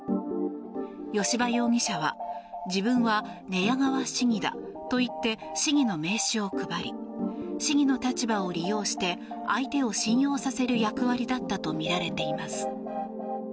吉羽容疑者は自分は寝屋川市議だと言って市議の名刺を配り市議の立場を利用して相手を信用させる役割だったとみられています。